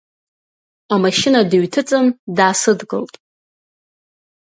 Амашьына дыҩҭыҵын, даасыдгылт.